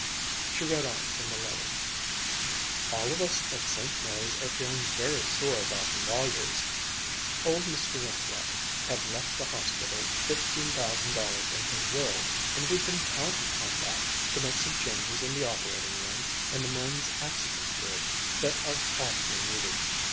She read on from the letter: "'All of us at St. Mary's are feeling very sore about lawyers. Old Mr. Winthrop had left the hospital fifteen thousand dollars in his will, and we'd been counting on that to make some changes in the operating room and the men's accident ward that are awfully needed.